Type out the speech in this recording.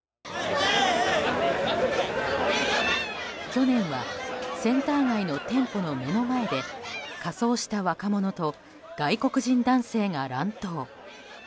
去年はセンター街の店舗の目の前で仮装した若者と外国人男性が乱闘。